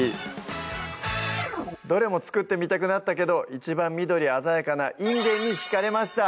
どれも作ってみたくなったけど一番緑鮮やかなインゲンにひかれました